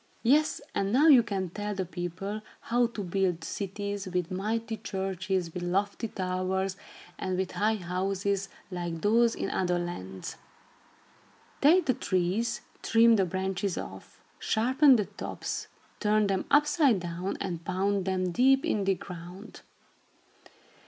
"Yes, and now you can tell the people how to build cities, with mighty churches with lofty towers, and with high houses like those in other lands. Take the trees, trim the branches off, sharpen the tops, turn them upside down and pound them deep in the ground.